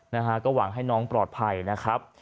นะฮะก็หวังให้น้องปลอดภัยนะครับ